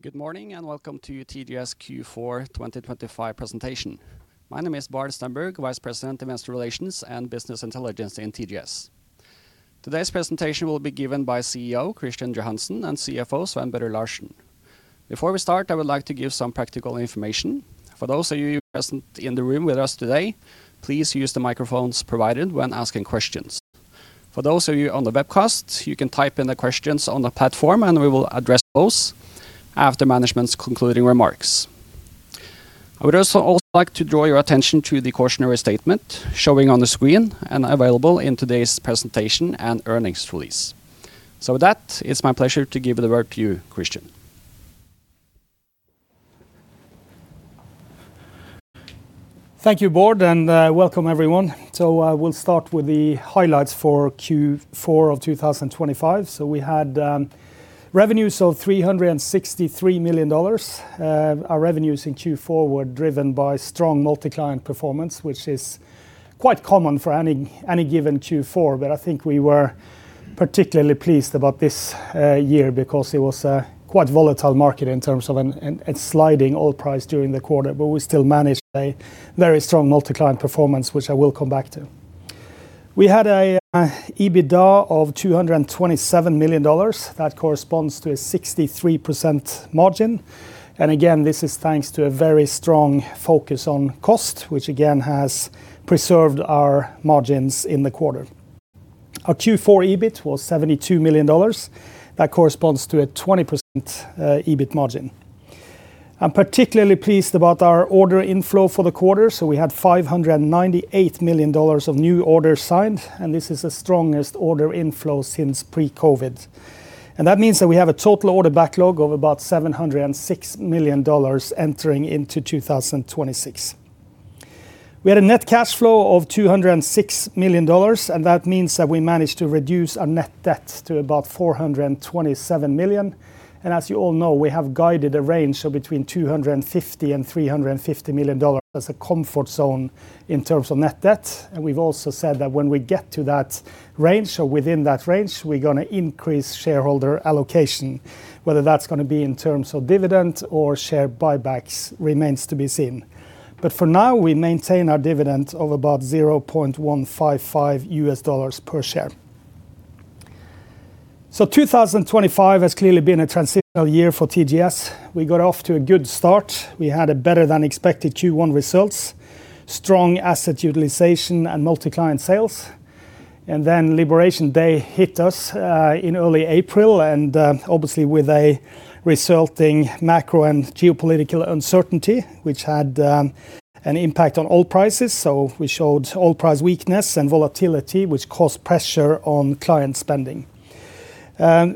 Good morning, and welcome to TGS Q4 2025 presentation. My name is Bård Stenberg, vice president, Investor Relations and Business Intelligence in TGS. Today's presentation will be given by CEO Kristian Johansen and CFO Sven Børre Larsen. Before we start, I would like to give some practical information. For those of you present in the room with us today, please use the microphones provided when asking questions. For those of you on the webcast, you can type in the questions on the platform, and we will address those after management's concluding remarks. I would also like to draw your attention to the cautionary statement showing on the screen and available in today's presentation and earnings release. So with that, it's my pleasure to give the word to you, Kristian. Thank you, Bård, and welcome everyone. So we'll start with the highlights for Q4 of 2025. So we had revenues of $363 million. Our revenues in Q4 were driven by strong multi-client performance, which is quite common for any given Q4. But I think we were particularly pleased about this year because it was a quite volatile market in terms of a sliding oil price during the quarter. But we still managed a very strong multi-client performance, which I will come back to. We had a EBITDA of $227 million. That corresponds to a 63% margin. And again, this is thanks to a very strong focus on cost, which again, has preserved our margins in the quarter. Our Q4 EBIT was $72 million. That corresponds to a 20% EBIT margin. I'm particularly pleased about our order inflow for the quarter, so we had $598 million of new orders signed, and this is the strongest order inflow since pre-COVID. And that means that we have a total order backlog of about $706 million entering into 2026. We had a net cash flow of $206 million, and that means that we managed to reduce our net debt to about $427 million. And as you all know, we have guided a range of between $250 million and $350 million as a comfort zone in terms of net debt. And we've also said that when we get to that range or within that range, we're gonna increase shareholder allocation. Whether that's gonna be in terms of dividend or share buybacks remains to be seen. But for now, we maintain our dividend of about $0.155 per share. So 2025 has clearly been a transitional year for TGS. We got off to a good start. We had a better-than-expected Q1 results, strong asset utilization and multi-client sales. And then Liberation Day hit us in early April, and obviously with a resulting macro and geopolitical uncertainty, which had an impact on oil prices. So we showed oil price weakness and volatility, which caused pressure on client spending.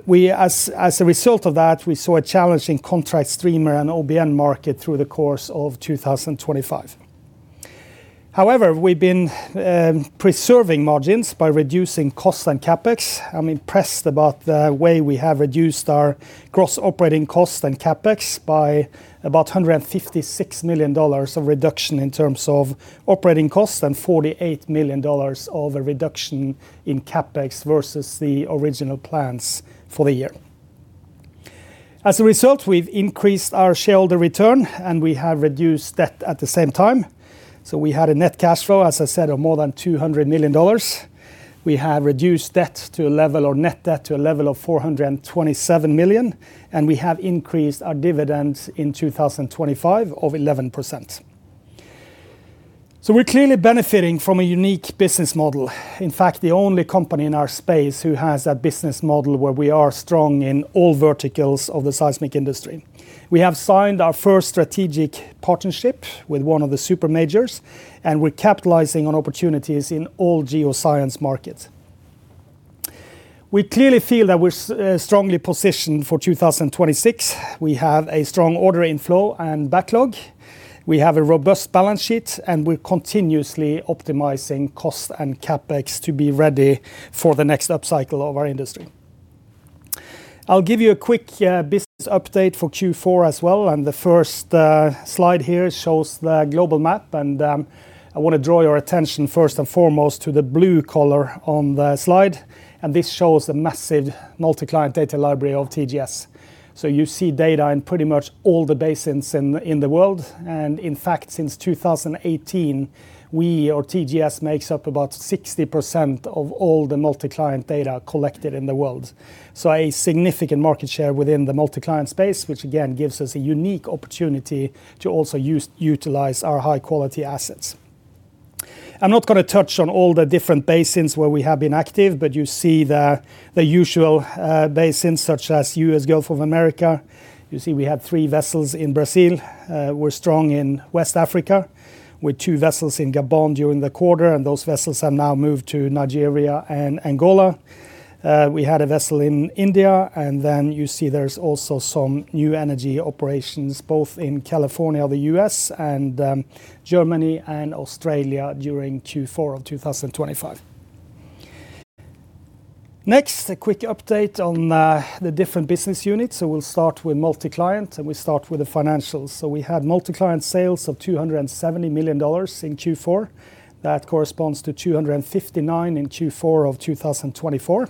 We, as a result of that, saw a challenging contract streamer and OBN market through the course of 2025. However, we've been preserving margins by reducing costs and CapEx. I'm impressed about the way we have reduced our gross operating costs and CapEx by about $156 million of reduction in terms of operating costs, and $48 million of a reduction in CapEx versus the original plans for the year. As a result, we've increased our shareholder return, and we have reduced debt at the same time. So we had a net cash flow, as I said, of more than $200 million. We have reduced debt to a level or net debt to a level of $427 million, and we have increased our dividend in 2025 of 11%. So we're clearly benefiting from a unique business model. In fact, the only company in our space who has that business model where we are strong in all verticals of the seismic industry. We have signed our first strategic partnership with one of the supermajors, and we're capitalizing on opportunities in all geoscience markets. We clearly feel that we're strongly positioned for 2026. We have a strong order inflow and backlog. We have a robust balance sheet, and we're continuously optimizing costs and CapEx to be ready for the next upcycle of our industry. I'll give you a quick business update for Q4 as well, and the first slide here shows the global map. I want to draw your attention first and foremost to the blue color on the slide, and this shows the massive multi-client data library of TGS. So you see data in pretty much all the basins in the world. In fact, since 2018, we or TGS makes up about 60% of all the multi-client data collected in the world. So a significant market share within the multi-client space, which again, gives us a unique opportunity to also utilize our high-quality assets. I'm not gonna touch on all the different basins where we have been active, but you see the usual basins, such as U.S. Gulf of Mexico. You see, we had 3 vessels in Brazil. We're strong in West Africa, with 2 vessels in Gabon during the quarter, and those vessels have now moved to Nigeria and Angola. We had a vessel in India, and then you see there's also some new energy operations, both in California, the U.S., and Germany and Australia during Q4 of 2025. Next, a quick update on the different business units. So we'll start with multi-client, and we start with the financials. So we had multi-client sales of $270 million in Q4. That corresponds to 259 in Q4 of 2024.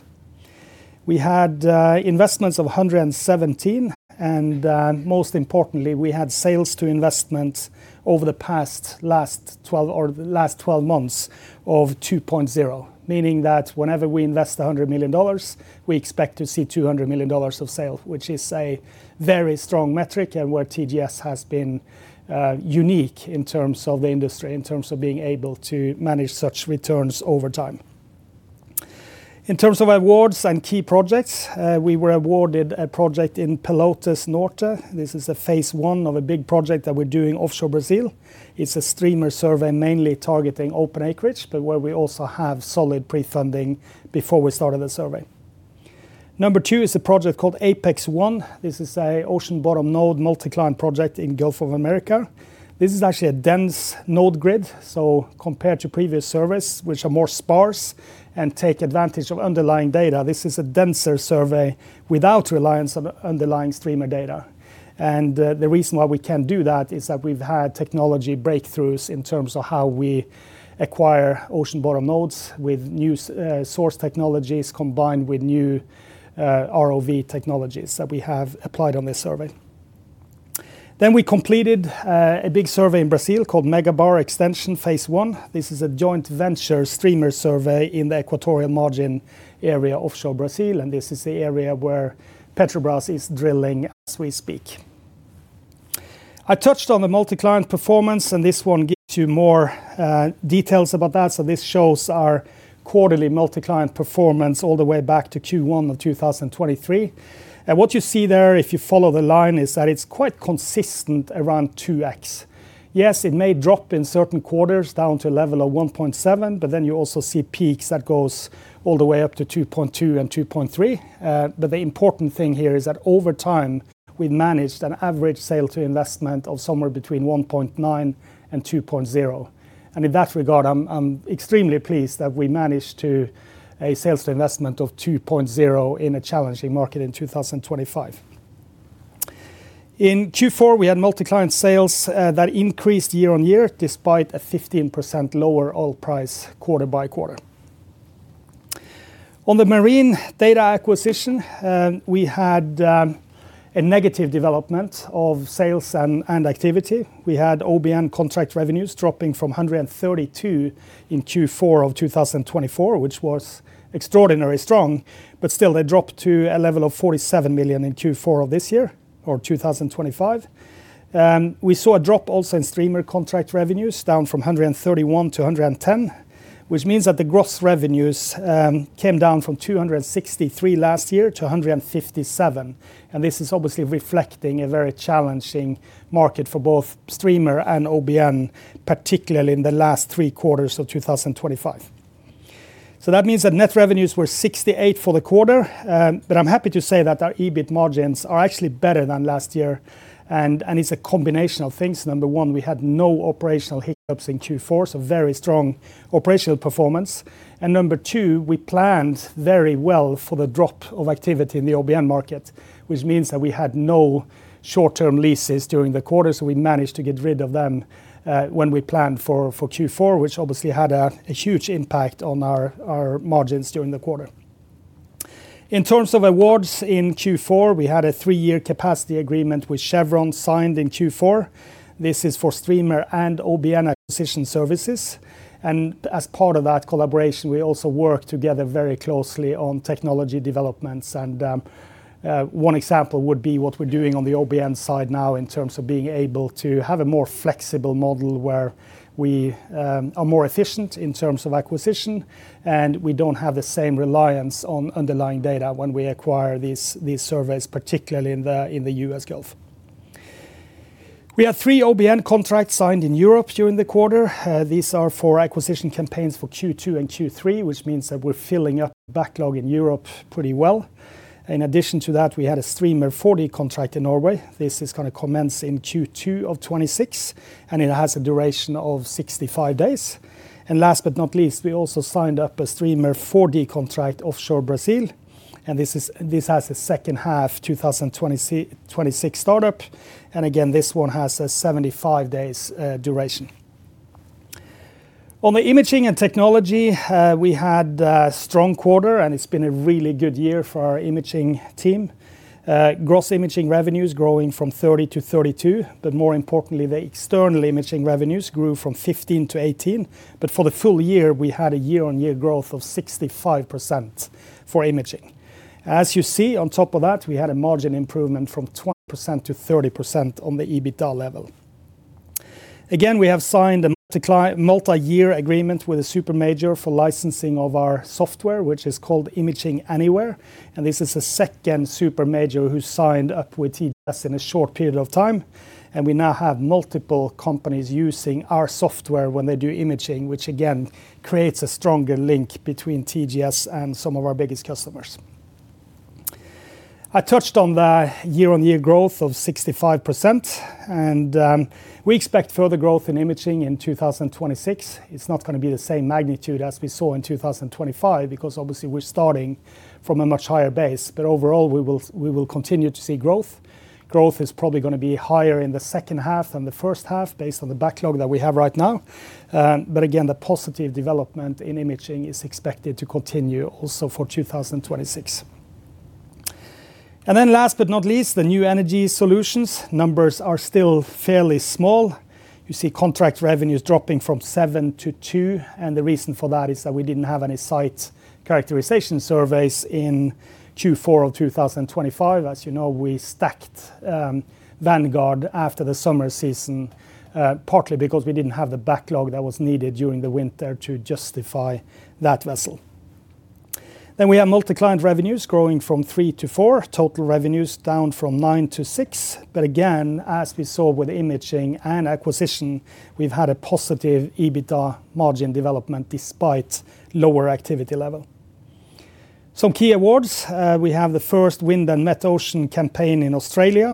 We had investments of 117, and most importantly, we had sales to investments over the past last twelve or the last twelve months of 2.0. Meaning that whenever we invest $100 million, we expect to see $200 million of sale, which is a very strong metric and where TGS has been unique in terms of the industry, in terms of being able to manage such returns over time. In terms of awards and key projects, we were awarded a project in Pelotas Basin. This is a phase 1 of a big project that we're doing offshore Brazil. It's a streamer survey, mainly targeting open acreage, but where we also have solid pre-funding before we started the survey. Number two is a project called Apex 1. This is an ocean bottom node multi-client project in the Gulf of Mexico. This is actually a dense node grid, so compared to previous surveys, which are more sparse and take advantage of underlying data, this is a denser survey without reliance on underlying streamer data. The reason why we can do that is that we've had technology breakthroughs in terms of how we acquire ocean bottom nodes with new source technologies, combined with new ROV technologies that we have applied on this survey. We completed a big survey in Brazil called Megabar Extension Phase I. This is a joint venture streamer survey in the equatorial margin area offshore Brazil, and this is the area where Petrobras is drilling as we speak. I touched on the multi-client performance, and this one gives you more details about that. So this shows our quarterly multi-client performance all the way back to Q1 of 2023. And what you see there, if you follow the line, is that it's quite consistent around 2x. Yes, it may drop in certain quarters down to a level of 1.7, but then you also see peaks that goes all the way up to 2.2 and 2.3. But the important thing here is that over time, we've managed an average sales-to-investment of somewhere between 1.9 and 2.0. And in that regard, I'm, I'm extremely pleased that we managed to a sales-to-investment of 2.0 in a challenging market in 2025. In Q4, we had multi-client sales that increased year-on-year, despite a 15% lower oil price quarter-by-quarter. On the marine data acquisition, we had a negative development of sales and activity. We had OBN contract revenues dropping from $132 million in Q4 of 2024, which was extraordinarily strong, but still they dropped to a level of $47 million in Q4 of this year or 2025. We saw a drop also in streamer contract revenues, down from $131 million to $110 million, which means that the gross revenues came down from $263 million last year to $157 million, and this is obviously reflecting a very challenging market for both streamer and OBN, particularly in the last 3 quarters of 2025. So that means that net revenues were $68 million for the quarter, but I'm happy to say that our EBIT margins are actually better than last year, and it's a combination of things. Number one, we had no operational hiccups in Q4, so very strong operational performance. Number two, we planned very well for the drop of activity in the OBN market, which means that we had no short-term leases during the quarter, so we managed to get rid of them when we planned for Q4, which obviously had a huge impact on our margins during the quarter. In terms of awards in Q4, we had a 3-year capacity agreement with Chevron signed in Q4. This is for streamer and OBN acquisition services, and as part of that collaboration, we also work together very closely on technology developments. One example would be what we're doing on the OBN side now in terms of being able to have a more flexible model, where we are more efficient in terms of acquisition, and we don't have the same reliance on underlying data when we acquire these, these surveys, particularly in the U.S. Gulf. We have three OBN contracts signed in Europe during the quarter. These are for acquisition campaigns for Q2 and Q3, which means that we're filling up backlog in Europe pretty well. In addition to that, we had a 4D streamer contract in Norway. This is gonna commence in Q2 of 2026, and it has a duration of 65 days. And last but not least, we also signed up a streamer 4D contract offshore Brazil, and this has a second half 2026 startup, and again, this one has a 75 days duration. On the imaging and technology, we had a strong quarter, and it's been a really good year for our imaging team. Gross imaging revenues growing from $30 to $32, but more importantly, the external imaging revenues grew from $15 to $18. But for the full year, we had a year-on-year growth of 65% for imaging. As you see, on top of that, we had a margin improvement from 20% to 30% on the EBITDA level. Again, we have signed a multi-year agreement with a super major for licensing of our software, which is called Imaging AnyWare, and this is the second super major who signed up with TGS in a short period of time. And we now have multiple companies using our software when they do imaging, which again, creates a stronger link between TGS and some of our biggest customers. I touched on the year-on-year growth of 65%, and we expect further growth in imaging in 2026. It's not gonna be the same magnitude as we saw in 2025, because obviously we're starting from a much higher base. But overall, we will continue to see growth. Growth is probably gonna be higher in the second half than the first half, based on the backlog that we have right now. But again, the positive development in imaging is expected to continue also for 2026. And then last but not least, the new energy solutions. Numbers are still fairly small. You see contract revenues dropping from $7 million to $2 million, and the reason for that is that we didn't have any site characterization surveys in Q4 of 2025. As you know, we stacked Vanguard after the summer season, partly because we didn't have the backlog that was needed during the winter to justify that vessel. Then we have multi-client revenues growing from $3 million to $4 million, total revenues down from $9 million to $6 million. But again, as we saw with imaging and acquisition, we've had a positive EBITDA margin development despite lower activity level. Some key awards, we have the first wind and metocean campaign in Australia.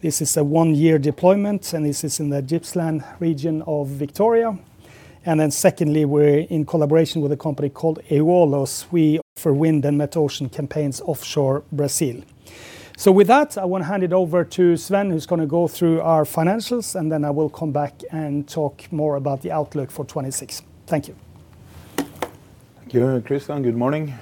This is a one-year deployment, and this is in the Gippsland region of Victoria. And then secondly, we're in collaboration with a company called EOLOS. We offer wind and metocean campaigns offshore Brazil. So with that, I want to hand it over to Sven, who's gonna go through our financials, and then I will come back and talk more about the outlook for 2026. Thank you. Thank you, Kristian. Good morning.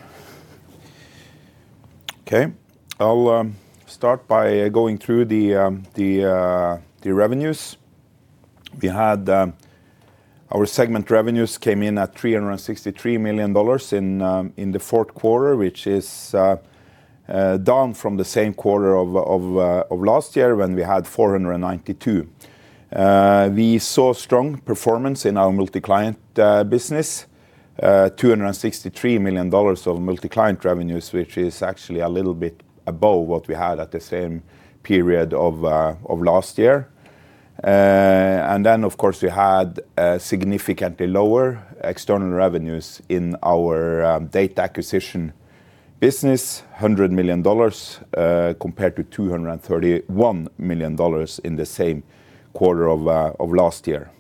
Okay, I'll start by going through the revenues. Our segment revenues came in at $363 million in the fourth quarter, which is down from the same quarter of last year, when we had $492 million. We saw strong performance in our multi-client business. $263 million of multi-client revenues, which is actually a little bit above what we had at the same period of last year. And then, of course, we had a significantly lower external revenues in our data acquisition business. $100 million compared to $231 million in the same quarter of last year.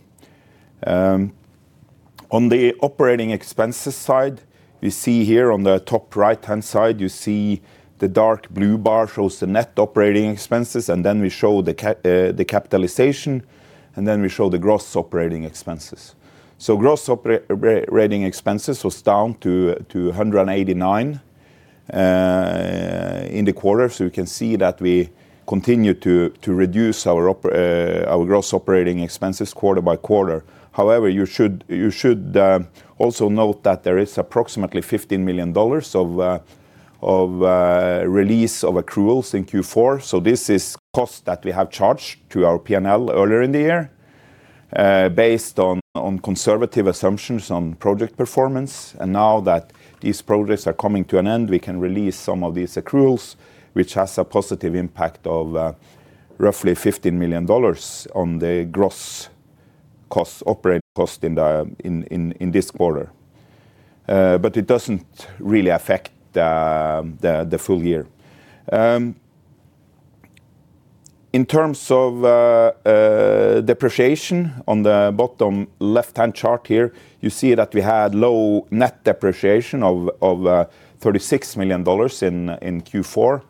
On the operating expenses side, we see here on the top right-hand side, you see the dark blue bar shows the net operating expenses, and then we show the capitalization, and then we show the gross operating expenses. So gross operating expenses was down to 189 in the quarter. So we can see that we continue to reduce our operating expenses quarter by quarter. However, you should also note that there is approximately $15 million of release of accruals in Q4. So this is cost that we have charged to our P&L earlier in the year based on conservative assumptions on project performance. Now that these projects are coming to an end, we can release some of these accruals, which has a positive impact of roughly $15 million on the gross costs, operating costs in this quarter. But it doesn't really affect the full year. In terms of depreciation, on the bottom left-hand chart here, you see that we had low net depreciation of $36 million in Q4.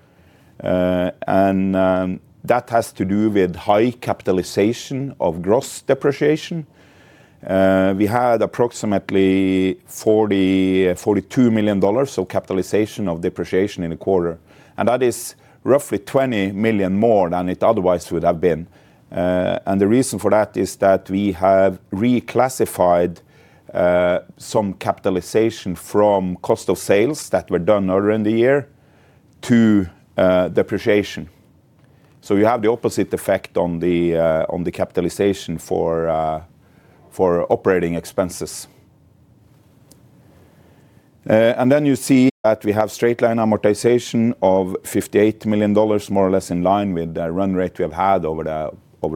And that has to do with high capitalization of gross depreciation. We had approximately $42 million, so capitalization of depreciation in the quarter, and that is roughly $20 million more than it otherwise would have been. And the reason for that is that we have reclassified some capitalization from cost of sales that were done earlier in the year to depreciation. So you have the opposite effect on the capitalization for operating expenses. And then you see that we have straight-line amortization of $58 million, more or less in line with the run rate we have had over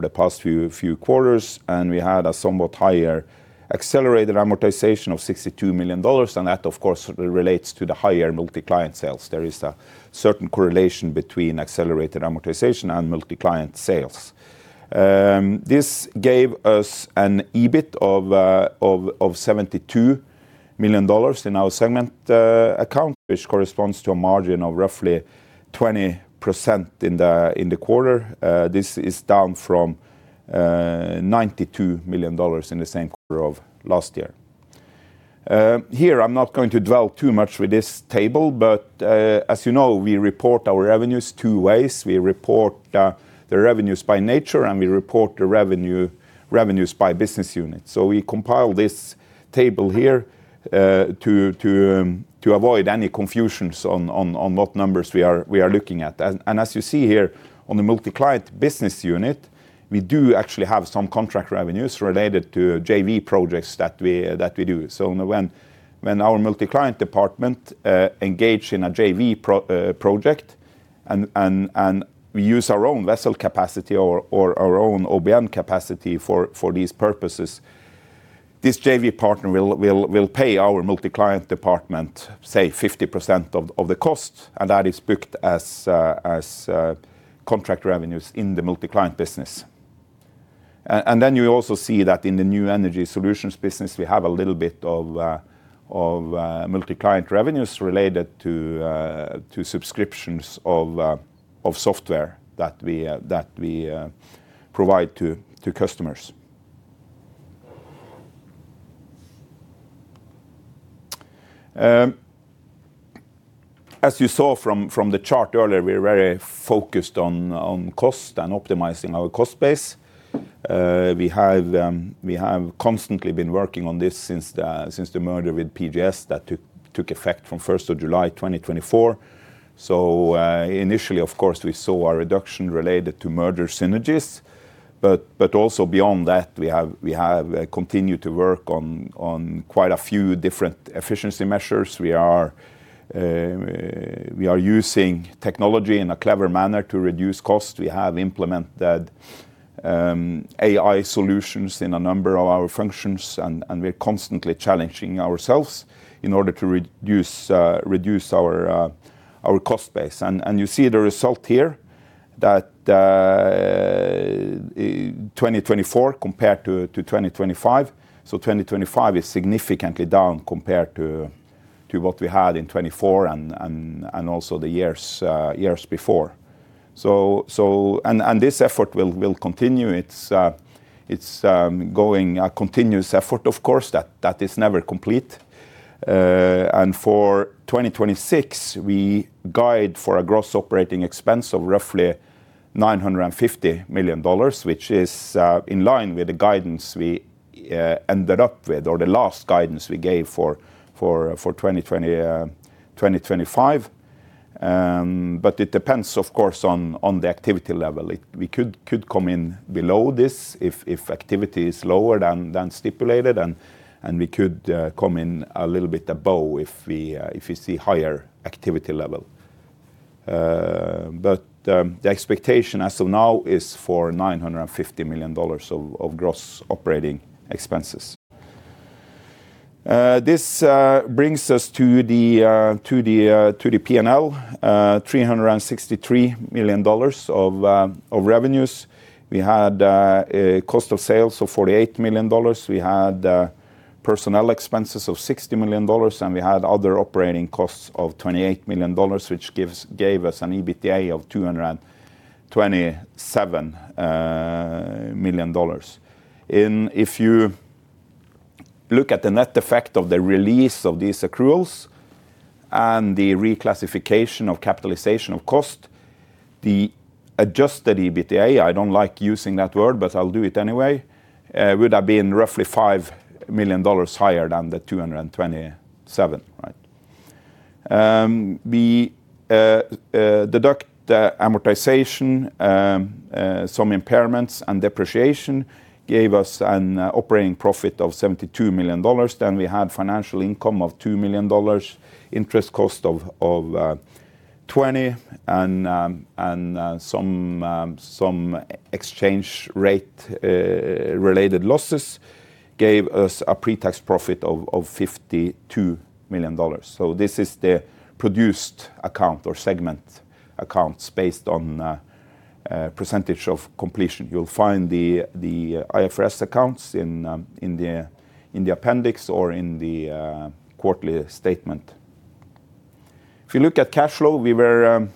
the past few quarters. And we had a somewhat higher accelerated amortization of $62 million, and that, of course, relates to the higher multi-client sales. There is a certain correlation between accelerated amortization and multi-client sales. This gave us an EBIT of $72 million in our segment account, which corresponds to a margin of roughly 20% in the quarter. This is down from $92 million in the same quarter of last year. Here, I'm not going to dwell too much with this table, but as you know, we report our revenues two ways. We report the revenues by nature, and we report the revenue, revenues by business unit. So we compile this table here to avoid any confusions on what numbers we are looking at. And as you see here on the multi-client business unit, we do actually have some contract revenues related to JV projects that we do. So when our multi-client department engage in a JV project and we use our own vessel capacity or our own OBN capacity for these purposes, this JV partner will pay our multi-client department, say, 50% of the cost, and that is booked as contract revenues in the multi-client business. And then you also see that in the new energy solutions business, we have a little bit of multi-client revenues related to subscriptions of software that we provide to customers. As you saw from the chart earlier, we are very focused on cost and optimizing our cost base. We have constantly been working on this since the merger with PGS that took effect from first of July 2024. So, initially, of course, we saw a reduction related to merger synergies. But also beyond that, we have continued to work on quite a few different efficiency measures. We are using technology in a clever manner to reduce costs. We have implemented AI solutions in a number of our functions, and we're constantly challenging ourselves in order to reduce our cost base. And you see the result here, 2024 compared to 2025. So 2025 is significantly down compared to what we had in 2024 and also the years before. And this effort will continue. It's a continuous effort, of course, that is never complete. And for 2026, we guide for a gross operating expense of roughly $950 million, which is in line with the guidance we ended up with, or the last guidance we gave for 2025. But it depends, of course, on the activity level. We could come in below this if activity is lower than stipulated, and we could come in a little bit above if we see higher activity level. But the expectation as of now is for $950 million of gross operating expenses. This brings us to the P&L, $363 million of revenues. We had a cost of sales of $48 million. We had personnel expenses of $60 million, and we had other operating costs of $28 million, which gave us an EBITDA of $227 million. If you look at the net effect of the release of these accruals and the reclassification of capitalization of cost, the adjusted EBITDA, I don't like using that word, but I'll do it anyway, would have been roughly $5 million higher than the $227 million, right? We deduct the amortization, some impairments and depreciation, gave us an operating profit of $72 million. Then we had financial income of $2 million, interest cost of $20 million, and some exchange rate related losses, gave us a pre-tax profit of $52 million. So this is the produced account or segment accounts based on percentage of completion. You'll find the IFRS accounts in the appendix or in the quarterly statement. If you look at cash flow, we were,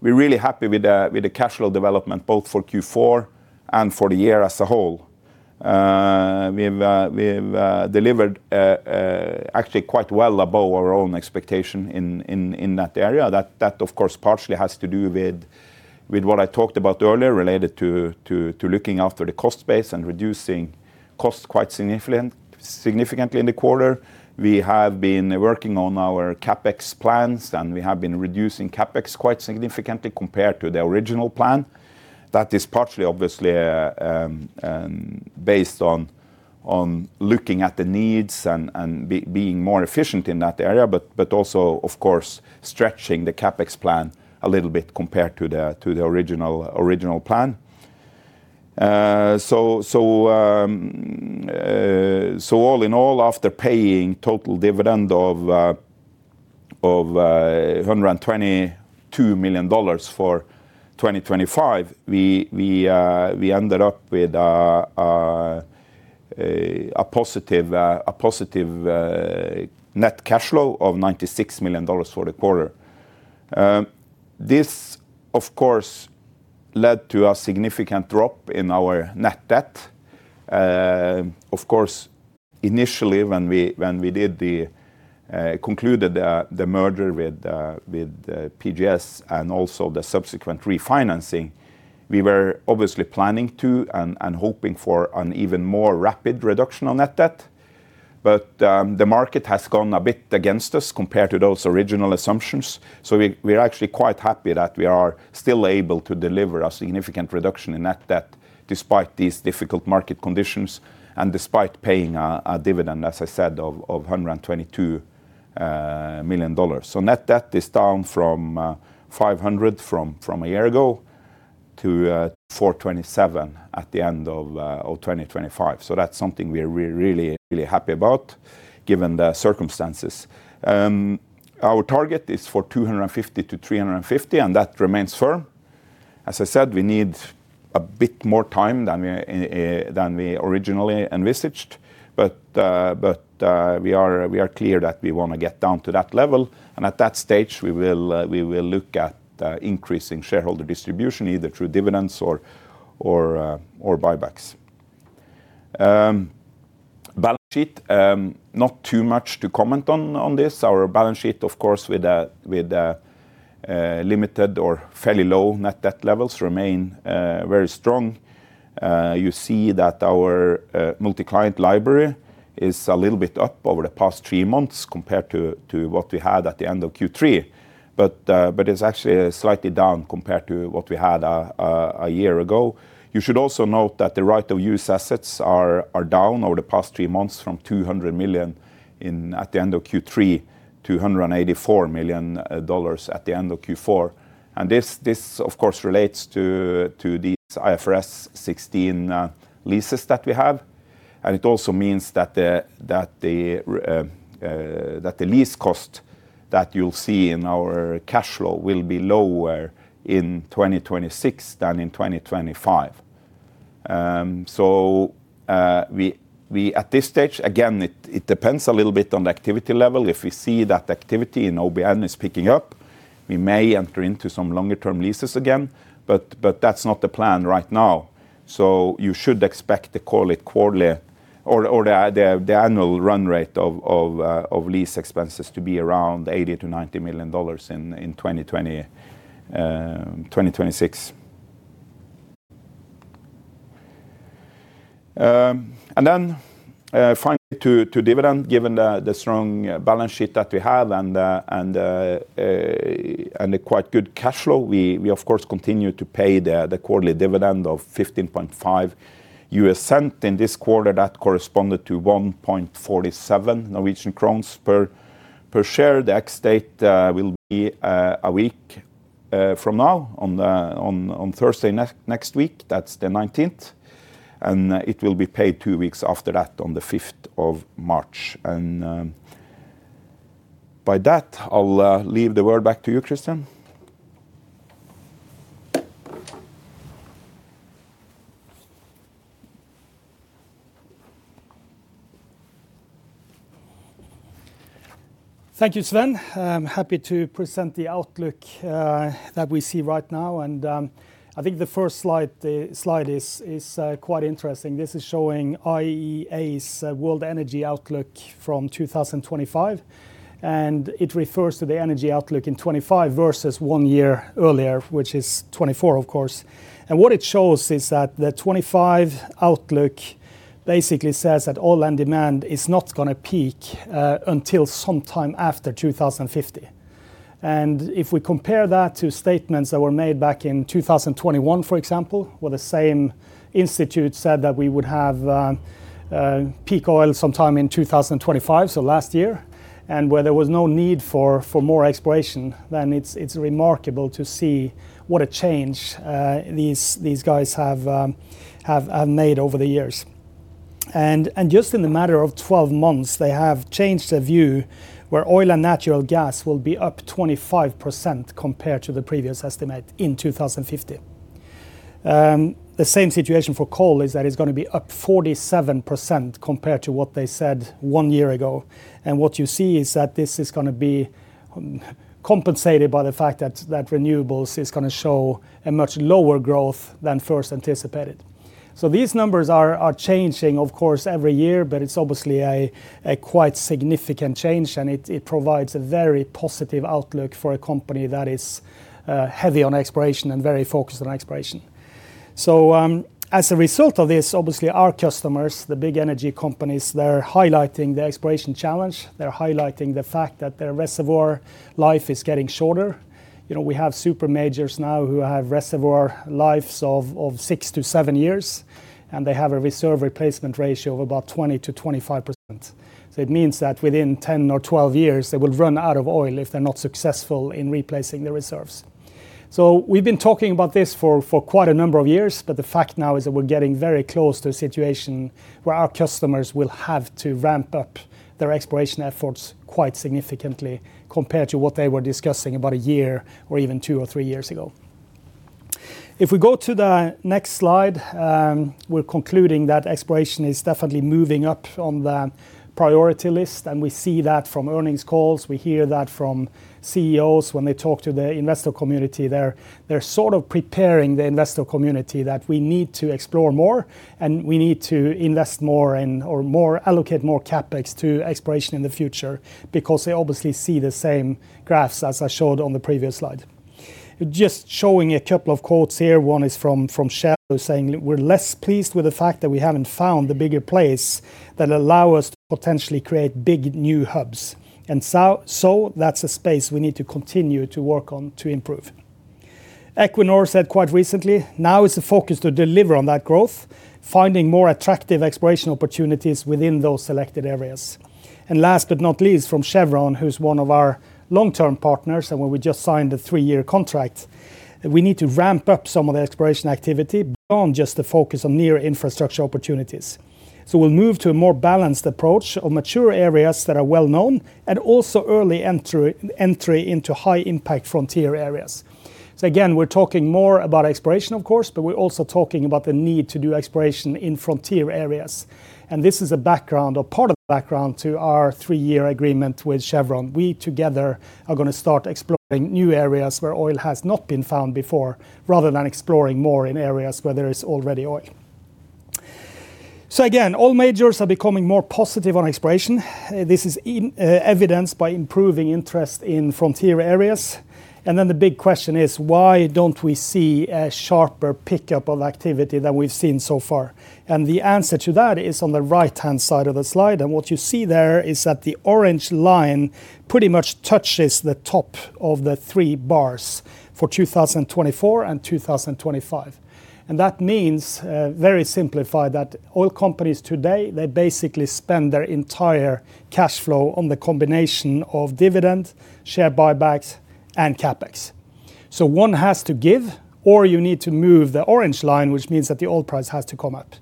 we're really happy with the cash flow development, both for Q4 and for the year as a whole. We've delivered actually quite well above our own expectation in that area. That, of course, partially has to do with what I talked about earlier, related to looking after the cost base and reducing costs quite significantly in the quarter. We have been working on our CapEx plans, and we have been reducing CapEx quite significantly compared to the original plan. That is partially, obviously, based on looking at the needs and being more efficient in that area, but also, of course, stretching the CapEx plan a little bit compared to the original plan. So all in all, after paying total dividend of $122 million for 2025, we ended up with a positive net cash flow of $96 million for the quarter. This, of course, led to a significant drop in our net debt. Of course, initially, when we concluded the merger with PGS and also the subsequent refinancing, we were obviously planning to and hoping for an even more rapid reduction on net debt. But, the market has gone a bit against us compared to those original assumptions. So we're actually quite happy that we are still able to deliver a significant reduction in net debt, despite these difficult market conditions and despite paying a dividend, as I said, of $122 million. So net debt is down from $500 million a year ago to $427 million at the end of 2025. So that's something we're really, really happy about, given the circumstances. Our target is for $250 million-$350 million, and that remains firm. As I said, we need a bit more time than we originally envisaged, but we are clear that we want to get down to that level, and at that stage, we will look at increasing shareholder distribution, either through dividends or buybacks. Balance sheet, not too much to comment on this. Our balance sheet, of course, with the limited or fairly low net debt levels remain very strong. You see that our multi-client library is a little bit up over the past three months compared to what we had at the end of Q3. But it's actually slightly down compared to what we had a year ago. You should also note that the right-of-use assets are down over the past three months from $200 million at the end of Q3 to $184 million at the end of Q4. And this of course relates to these IFRS 16 leases that we have. And it also means that the lease cost that you'll see in our cash flow will be lower in 2026 than in 2025. So we at this stage, again, it depends a little bit on the activity level. If we see that the activity in OBN is picking up, we may enter into some longer-term leases again, but that's not the plan right now. So you should expect to call it quarterly or the annual run rate of lease expenses to be around $80 million-$90 million in 2020, 2026. And then, finally, to dividend, given the strong balance sheet that we have and the quite good cash flow, we of course continue to pay the quarterly dividend of $0.155. In this quarter, that corresponded to 1.47 Norwegian crowns per share. The ex-date will be a week from now on Thursday next week. That's the 19th, and it will be paid two weeks after that, on the 5th of March. And by that, I'll leave the word back to you, Kristian. Thank you, Sven. I'm happy to present the outlook that we see right now, and I think the first slide is quite interesting. This is showing IEA's World Energy Outlook from 2025, and it refers to the energy outlook in 2025 versus one year earlier, which is 2024, of course. What it shows is that the 2025 outlook basically says that oil and demand is not gonna peak until sometime after 2050. If we compare that to statements that were made back in 2021, for example, where the same institute said that we would have peak oil sometime in 2025, so last year, and where there was no need for more exploration, then it's remarkable to see what a change these guys have made over the years. Just in the matter of 12 months, they have changed their view, where oil and natural gas will be up 25% compared to the previous estimate in 2050. The same situation for coal is that it's gonna be up 47% compared to what they said 1 year ago. What you see is that this is gonna be compensated by the fact that renewables is gonna show a much lower growth than first anticipated. So these numbers are changing, of course, every year, but it's obviously a quite significant change, and it provides a very positive outlook for a company that is heavy on exploration and very focused on exploration. As a result of this, obviously, our customers, the big energy companies, they're highlighting the exploration challenge. They're highlighting the fact that their reservoir life is getting shorter. You know, we have supermajors now who have reservoir lives of six to seven years, and they have a reserve replacement ratio of about 20%-25%. So it means that within 10 or 12 years, they will run out of oil if they're not successful in replacing the reserves. So we've been talking about this for quite a number of years, but the fact now is that we're getting very close to a situation where our customers will have to ramp up their exploration efforts quite significantly compared to what they were discussing about a year or even two or three years ago. If we go to the next slide, we're concluding that exploration is definitely moving up on the priority list, and we see that from earnings calls. We hear that from CEOs when they talk to the investor community. They're, they're sort of preparing the investor community that we need to explore more, and we need to invest more and or more allocate more CapEx to exploration in the future, because they obviously see the same graphs as I showed on the previous slide. Just showing a couple of quotes here. One is from, from Shell, saying, "We're less pleased with the fact that we haven't found the bigger plays that allow us to potentially create big, new hubs. And so, so that's a space we need to continue to work on to improve." Equinor said quite recently, "Now is the focus to deliver on that growth, finding more attractive exploration opportunities within those selected areas." And last but not least, from Chevron, who's one of our long-term partners, and when we just signed a three-year contract, "We need to ramp up some of the exploration activity beyond just the focus on near-infrastructure opportunities. So we'll move to a more balanced approach of mature areas that are well-known and also early entry, entry into high-impact frontier areas." So again, we're talking more about exploration, of course, but we're also talking about the need to do exploration in frontier areas. And this is a background or part of the background to our three-year agreement with Chevron. We together are gonna start exploring new areas where oil has not been found before, rather than exploring more in areas where there is already oil. So again, oil majors are becoming more positive on exploration. This is evidenced by improving interest in frontier areas. Then the big question is, why don't we see a sharper pickup of activity than we've seen so far? The answer to that is on the right-hand side of the slide, and what you see there is that the orange line pretty much touches the top of the three bars for 2024 and 2025. That means, very simplified, that oil companies today, they basically spend their entire cash flow on the combination of dividend, share buybacks, and CapEx. So one has to give, or you need to move the orange line, which means that the oil price has to come up.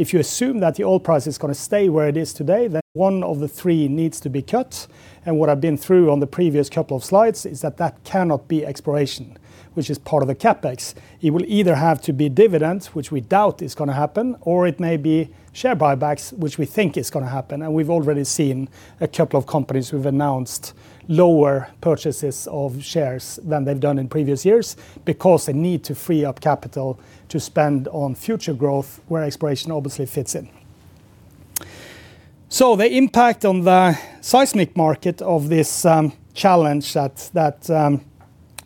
If you assume that the oil price is gonna stay where it is today, then one of the three needs to be cut. And what I've been through on the previous couple of slides is that that cannot be exploration, which is part of the CapEx. It will either have to be dividends, which we doubt is gonna happen, or it may be share buybacks, which we think is gonna happen. And we've already seen a couple of companies who've announced lower purchases of shares than they've done in previous years, because they need to free up capital to spend on future growth, where exploration obviously fits in. So the impact on the seismic market of this challenge that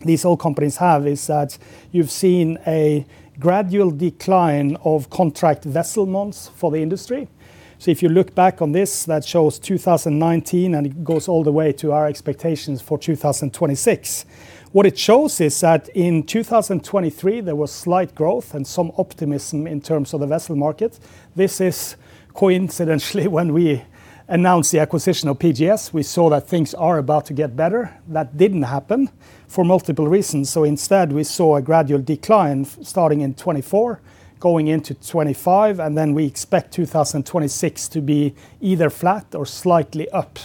these oil companies have is that you've seen a gradual decline of contract vessel months for the industry. So if you look back on this, that shows 2019, and it goes all the way to our expectations for 2026. What it shows is that in 2023, there was slight growth and some optimism in terms of the vessel market. This is coincidentally when we announced the acquisition of PGS; we saw that things are about to get better. That didn't happen for multiple reasons. So instead, we saw a gradual decline starting in 2024, going into 2025, and then we expect 2026 to be either flat or slightly up,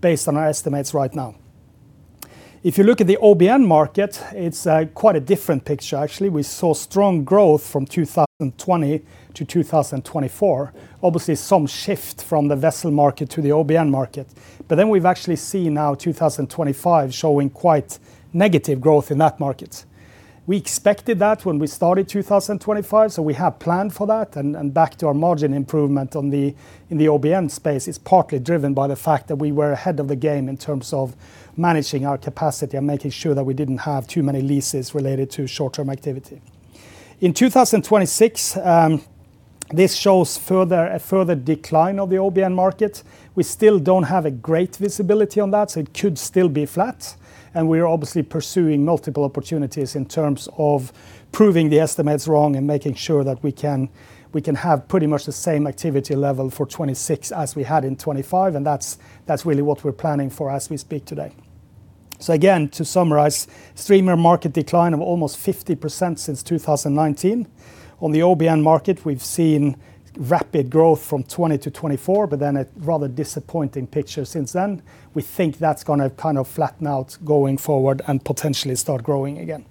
based on our estimates right now. If you look at the OBN market, it's quite a different picture, actually. We saw strong growth from 2020 to 2024. Obviously, some shift from the vessel market to the OBN market. But then we've actually seen now 2025 showing quite negative growth in that market. We expected that when we started 2025, so we have planned for that. And back to our margin improvement on the, in the OBN space, it's partly driven by the fact that we were ahead of the game in terms of managing our capacity and making sure that we didn't have too many leases related to short-term activity. In 2026, this shows further decline of the OBN market. We still don't have a great visibility on that, so it could still be flat, and we're obviously pursuing multiple opportunities in terms of proving the estimates wrong and making sure that we can, we can have pretty much the same activity level for 2026 as we had in 2025, and that's, that's really what we're planning for as we speak today. So again, to summarize, streamer market decline of almost 50% since 2019. On the OBN market, we've seen rapid growth from 2020 to 2024, but then a rather disappointing picture since then. We think that's gonna kind of flatten out going forward and potentially start growing again.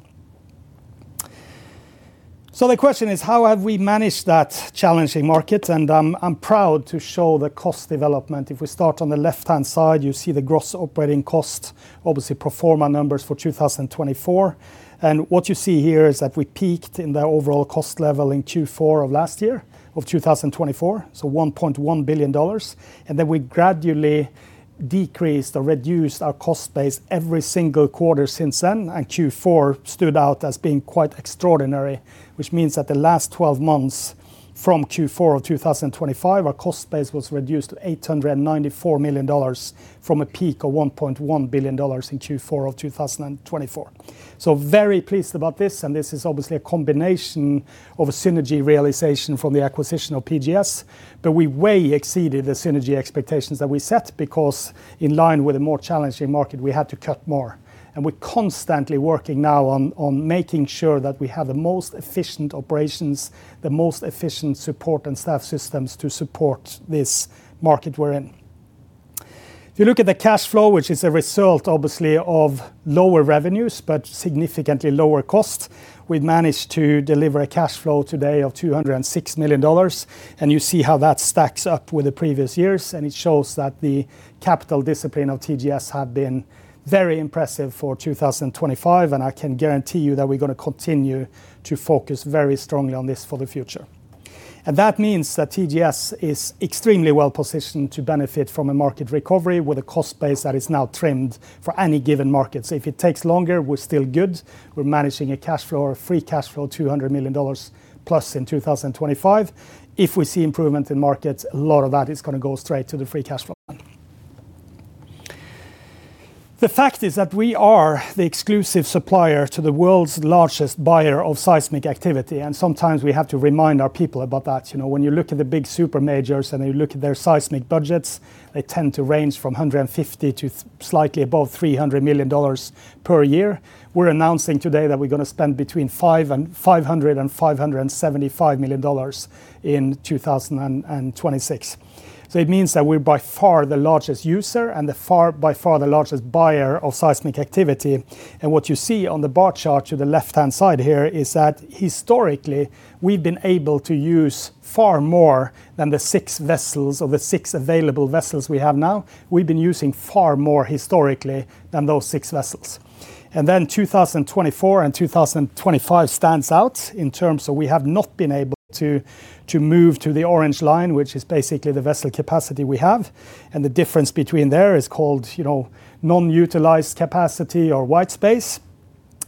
So the question is: How have we managed that challenging market? And, I'm proud to show the cost development. If we start on the left-hand side, you see the gross operating cost, obviously pro forma numbers for 2024. What you see here is that we peaked in the overall cost level in Q4 of last year, of 2024, so $1.1 billion, and then we gradually decreased or reduced our cost base every single quarter since then. Q4 stood out as being quite extraordinary, which means that the last twelve months, from Q4 of 2025, our cost base was reduced to $894 million from a peak of $1.1 billion in Q4 of 2024. Very pleased about this, and this is obviously a combination of a synergy realization from the acquisition of PGS. But we way exceeded the synergy expectations that we set, because in line with a more challenging market, we had to cut more. And we're constantly working now on making sure that we have the most efficient operations, the most efficient support and staff systems to support this market we're in. If you look at the cash flow, which is a result, obviously, of lower revenues, but significantly lower cost, we've managed to deliver a cash flow today of $206 million, and you see how that stacks up with the previous years. And it shows that the capital discipline of TGS have been very impressive for 2025, and I can guarantee you that we're gonna continue to focus very strongly on this for the future. That means that TGS is extremely well-positioned to benefit from a market recovery with a cost base that is now trimmed for any given market. So if it takes longer, we're still good. We're managing a cash flow or free cash flow, $200 million+ in 2025. If we see improvement in markets, a lot of that is gonna go straight to the free cash flow. The fact is that we are the exclusive supplier to the world's largest buyer of seismic activity, and sometimes we have to remind our people about that. You know, when you look at the big supermajors and you look at their seismic budgets, they tend to range from $150 million to slightly above $300 million per year. We're announcing today that we're gonna spend between $500 and $575 million in 2026. So it means that we're by far the largest user and by far the largest buyer of seismic activity. What you see on the bar chart to the left-hand side here is that historically, we've been able to use far more than the six vessels or the six available vessels we have now. We've been using far more historically than those six vessels. Then 2024 and 2025 stand out in terms of we have not been able to move to the orange line, which is basically the vessel capacity we have, and the difference between there is called, you know, non-utilized capacity or white space.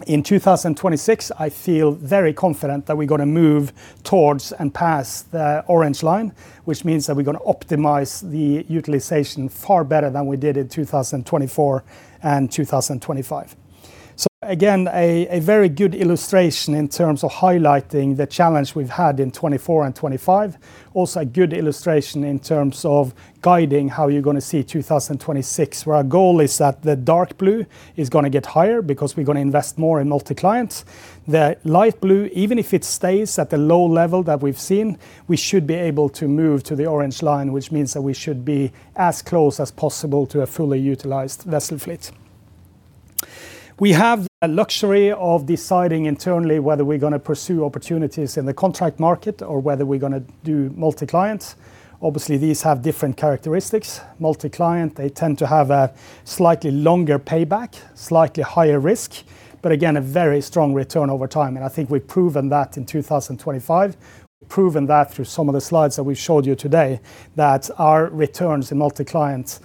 In 2026, I feel very confident that we're gonna move towards and past the orange line, which means that we're gonna optimize the utilization far better than we did in 2024 and 2025. So again, a very good illustration in terms of highlighting the challenge we've had in 2024 and 2025. Also, a good illustration in terms of guiding how you're gonna see 2026, where our goal is that the dark blue is gonna get higher because we're gonna invest more in multi-client. The light blue, even if it stays at the low level that we've seen, we should be able to move to the orange line, which means that we should be as close as possible to a fully utilized vessel fleet. We have the luxury of deciding internally whether we're gonna pursue opportunities in the contract market or whether we're gonna do multi-client. Obviously, these have different characteristics. Multi-client, they tend to have a slightly longer payback, slightly higher risk, but again, a very strong return over time. And I think we've proven that in 2025. We've proven that through some of the slides that we've showed you today, that our returns in multi-client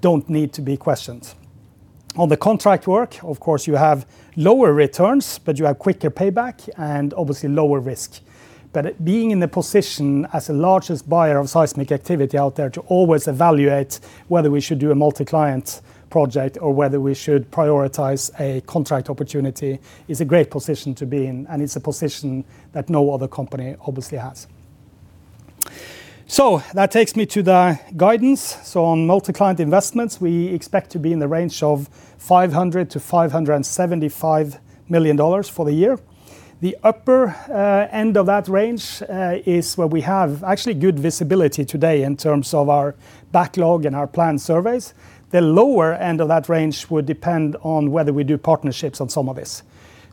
don't need to be questioned. On the contract work, of course, you have lower returns, but you have quicker payback and obviously lower risk. But being in the position as the largest buyer of seismic activity out there, to always evaluate whether we should do a multi-client project or whether we should prioritize a contract opportunity, is a great position to be in, and it's a position that no other company obviously has. So that takes me to the guidance. So on multi-client investments, we expect to be in the range of $500-$575 million for the year. The upper end of that range is where we have actually good visibility today in terms of our backlog and our planned surveys. The lower end of that range would depend on whether we do partnerships on some of this.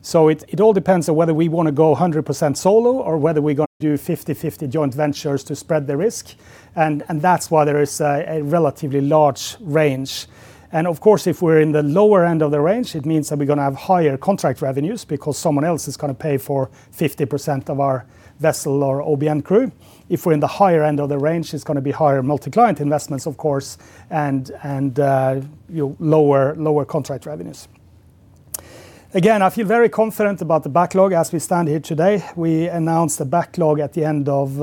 So it all depends on whether we wanna go 100% solo or whether we're gonna do 50/50 joint ventures to spread the risk. And that's why there is a relatively large range. And of course, if we're in the lower end of the range, it means that we're gonna have higher contract revenues because someone else is gonna pay for 50% of our vessel or OBN crew. If we're in the higher end of the range, it's gonna be higher multi-client investments, of course, and you know, lower contract revenues. Again, I feel very confident about the backlog as we stand here today. We announced a backlog at the end of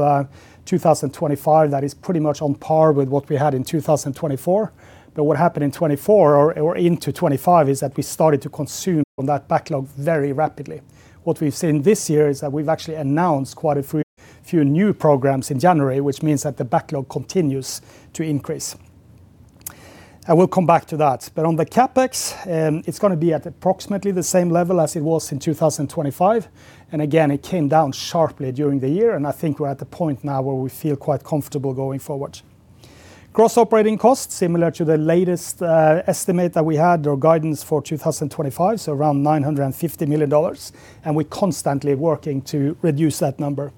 2025, that is pretty much on par with what we had in 2024. But what happened in 2024 or into 2025, is that we started to consume from that backlog very rapidly. What we've seen this year is that we've actually announced quite a few new programs in January, which means that the backlog continues to increase. I will come back to that. But on the CapEx, it's gonna be at approximately the same level as it was in 2025, and again, it came down sharply during the year, and I think we're at the point now where we feel quite comfortable going forward. Gross operating costs, similar to the latest estimate that we had, or guidance for 2025, so around $950 million, and we're constantly working to reduce that number.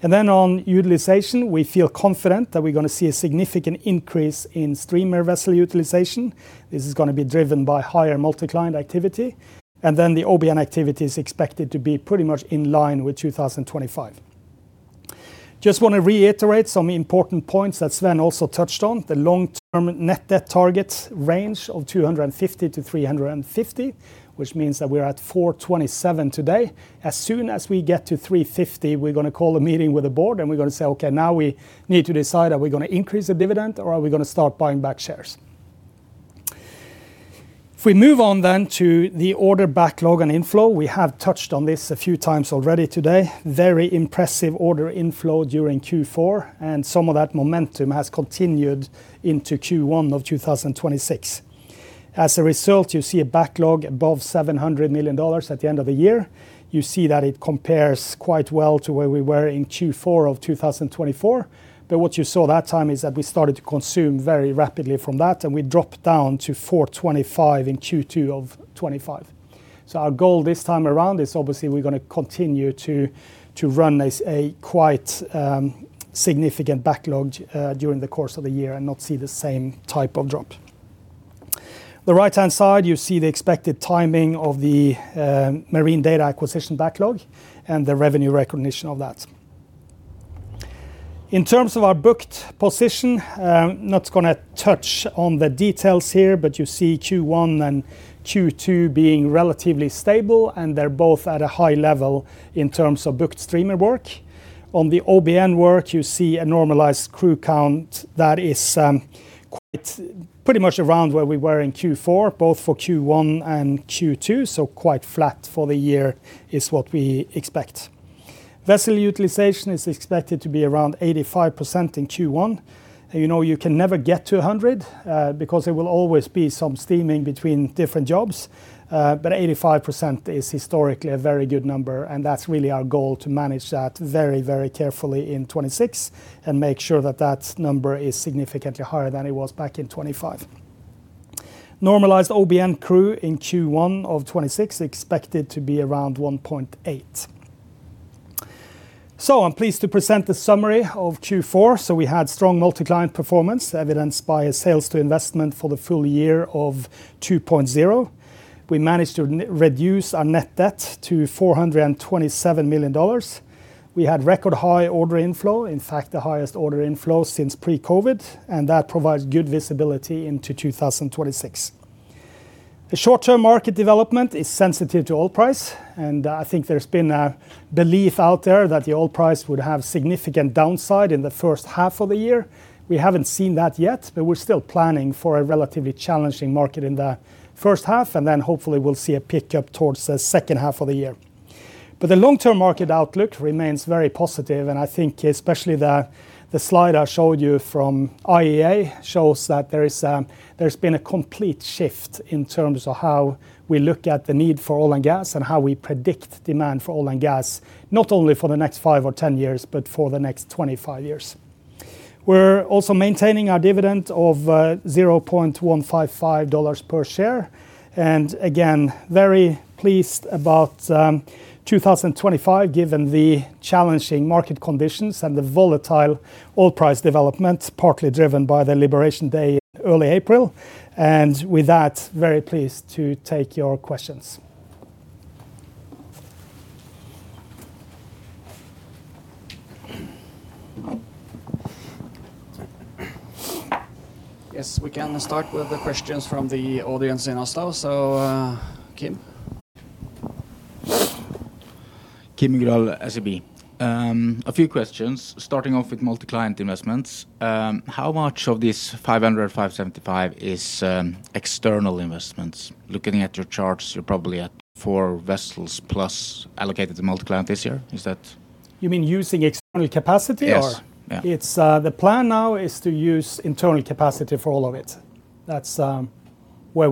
And then, on utilization, we feel confident that we're gonna see a significant increase in streamer vessel utilization. This is gonna be driven by higher multi-client activity, and then the OBN activity is expected to be pretty much in line with 2025. Just wanna reiterate some important points that Sven also touched on. The long-term net debt target range of $250 million-$350 million, which means that we're at $427 million today. As soon as we get to $350 million, we're gonna call a meeting with the board, and we're gonna say, "Okay, now we need to decide, are we gonna increase the dividend or are we gonna start buying back shares?" If we move on then to the order backlog and inflow, we have touched on this a few times already today. Very impressive order inflow during Q4, and some of that momentum has continued into Q1 of 2026. As a result, you see a backlog above $700 million at the end of the year. You see that it compares quite well to where we were in Q4 of 2024. But what you saw that time is that we started to consume very rapidly from that, and we dropped down to $425 in Q2 of 2025. So our goal this time around is obviously we're gonna continue to run a quite significant backlog during the course of the year and not see the same type of drop. The right-hand side, you see the expected timing of the marine data acquisition backlog and the revenue recognition of that. In terms of our booked position, I'm not gonna touch on the details here, but you see Q1 and Q2 being relatively stable, and they're both at a high level in terms of booked streamer work. On the OBN work, you see a normalized crew count that is quite... Pretty much around where we were in Q4, both for Q1 and Q2, so quite flat for the year is what we expect. Vessel utilization is expected to be around 85% in Q1. And you know you can never get to 100, because there will always be some steaming between different jobs, but 85% is historically a very good number, and that's really our goal, to manage that very, very carefully in 2026 and make sure that that number is significantly higher than it was back in 2025. Normalized OBN crew in Q1 of 2026 is expected to be around 1.8. So I'm pleased to present the summary of Q4. So we had strong multi-client performance, evidenced by a sales-to-investment for the full year of 2.0. We managed to reduce our net debt to $427 million. We had record high order inflow, in fact, the highest order inflow since pre-COVID, and that provides good visibility into 2026. The short-term market development is sensitive to oil price, and I think there's been a belief out there that the oil price would have significant downside in the first half of the year. We haven't seen that yet, but we're still planning for a relatively challenging market in the first half, and then hopefully we'll see a pickup towards the second half of the year. But the long-term market outlook remains very positive, and I think especially the slide I showed you from IEA shows that there's been a complete shift in terms of how we look at the need for oil and gas and how we predict demand for oil and gas, not only for the next 5 or 10 years, but for the next 25 years. We're also maintaining our dividend of $0.155 per share, and again, very pleased about 2025, given the challenging market conditions and the volatile oil price development, partly driven by the Liberation Day, early April. And with that, very pleased to take your questions. Yes, we can start with the questions from the audience in Oslo. So, Kim? Kim André Uggedal, SEB. A few questions, starting off with multi-client investments. How much of this $50,575 is external investments? Looking at your charts, you are probably at 4 vessels plus allocated to multi-client this year. Is that- You mean using external capacity or? Yes. Yeah. It's the plan now is to use internal capacity for all of it. That's where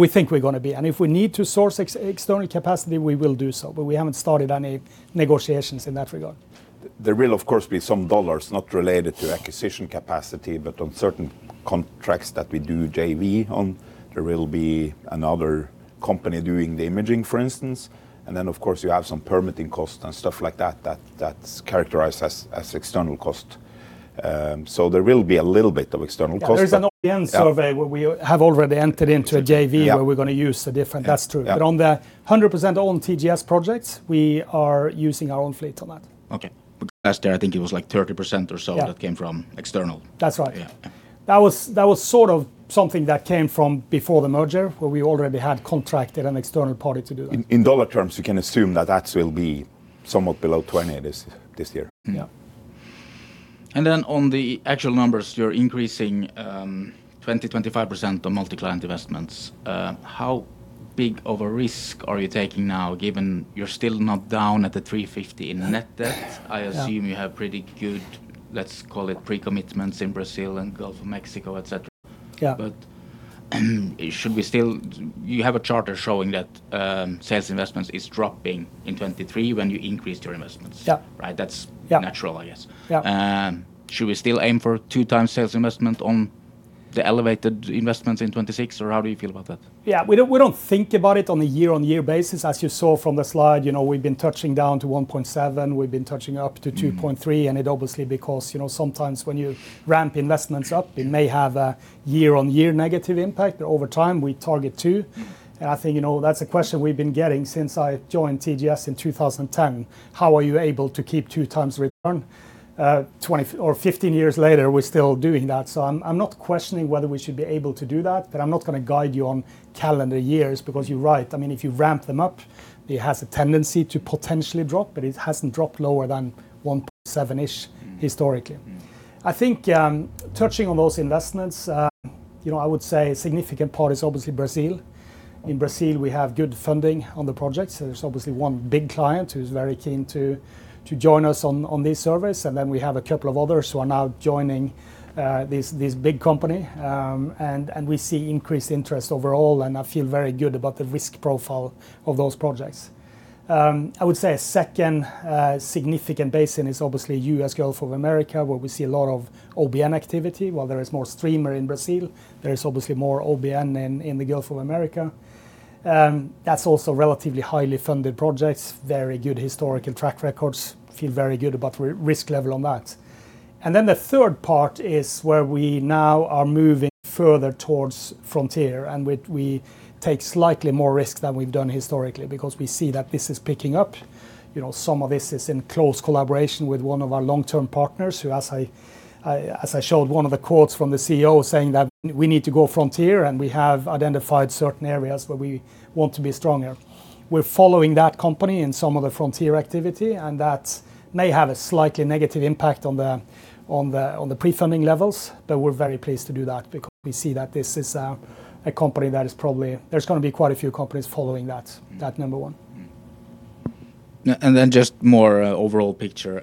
we think we're gonna be. And if we need to source external capacity, we will do so, but we haven't started any negotiations in that regard. There will, of course, be some dollars not related to acquisition capacity, but on certain contracts that we do JV on, there will be another company doing the imaging, for instance. And then, of course, you have some permitting costs and stuff like that, that's characterized as external cost. So there will be a little bit of external cost. There's an OBN- Yeah survey, where we have already entered into a JV. Yeah where we're gonna use a different. That's true. Yeah. On the 100% owned TGS projects, we are using our own fleet on that. Okay. Because last year, I think it was, like, 30% or so- Yeah that came from external. That's right. Yeah. That was sort of something that came from before the merger, where we already had contracted an external party to do that. In dollar terms, you can assume that that will be somewhat below $20 this year. Yeah. And then on the actual numbers, you're increasing 25% on multi-client investments. How big of a risk are you taking now, given you're still not down at the $350 million in net debt? Yeah. I assume you have pretty good, let's call it, pre-commitments in Brazil and Gulf of Mexico, et cetera. Yeah. But should we still- you have a chart showing that, sales investments is dropping in 2023 when you increased your investments? Yeah. Right? That's- Yeah Natural, I guess. Yeah. Should we still aim for 2x sales investment on the elevated investments in 2026, or how do you feel about that? Yeah, we don't, we don't think about it on a year-on-year basis. As you saw from the slide, you know, we've been touching down to 1.7, we've been touching up to 2.3, and it obviously because, you know, sometimes when you ramp investments up, it may have a year-on-year negative impact, but over time, we target 2. And I think, you know, that's a question we've been getting since I joined TGS in 2010: "How are you able to keep 2x return?" Twenty- or 15 years later, we're still doing that. So I'm, I'm not questioning whether we should be able to do that, but I'm not gonna guide you on calendar years, because you're right. I mean, if you ramp them up, it has a tendency to potentially drop, but it hasn't dropped lower than 1.7-ish, historically. I think, touching on those investments, you know, I would say a significant part is obviously Brazil. In Brazil, we have good funding on the projects. There's obviously one big client who's very keen to, to join us on, on this service, and then we have a couple of others who are now joining, this, this big company. And, and we see increased interest overall, and I feel very good about the risk profile of those projects. I would say a second, significant basin is obviously U.S., Gulf of Mexico, where we see a lot of OBN activity. While there is more streamer in Brazil, there is obviously more OBN in, in the Gulf of Mexico. That's also relatively highly funded projects, very good historical track records. Feel very good about risk level on that. And then the third part is where we now are moving further towards frontier, and we take slightly more risk than we've done historically, because we see that this is picking up. You know, some of this is in close collaboration with one of our long-term partners, who, as I showed, one of the quotes from the CEO saying that, "We need to go frontier," and we have identified certain areas where we want to be stronger. We're following that company in some of the frontier activity, and that may have a slightly negative impact on the pre-funding levels, but we're very pleased to do that because we see that this is a company that is probably. There's gonna be quite a few companies following that, that number one. And then just more overall picture.